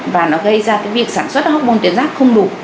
và nó gây ra cái việc sản xuất hormôn tuyến giáp không đủ